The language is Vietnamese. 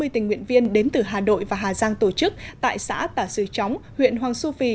tình nguyện viên đến từ hà đội và hà giang tổ chức tại xã tà sư chóng huyện hoàng su phi